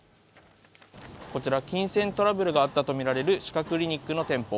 こちら金銭トラブルがあったとみられる歯科クリニックの店舗。